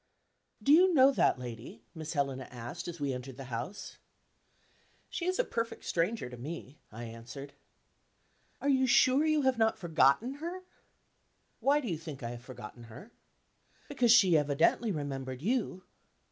"Do you know that lady?" Miss Helena asked, as we entered the house. "She is a perfect stranger to me," I answered. "Are you sure you have not forgotten her?" "Why do you think I have forgotten her?" "Because she evidently remembered you."